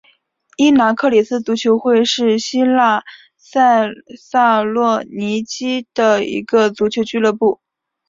伊拿克里斯足球会是希腊塞萨洛尼基的一个足球俱乐部。